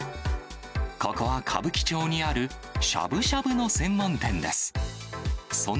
ここは歌舞伎町にあるしゃぶしゃぶの専門店です。